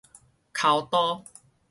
剾刀